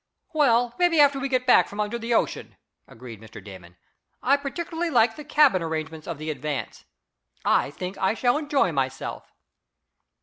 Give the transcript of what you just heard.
"Well, maybe after we get back from under the ocean," agreed Mr. Damon. "I particularly like the cabin arrangements of the Advance. I think I shall enjoy myself."